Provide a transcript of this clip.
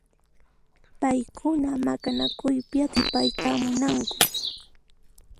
Paykuna maqanakuypi atipayta munanku.